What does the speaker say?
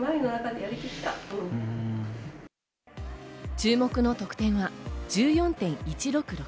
注目の得点は１４．１６６。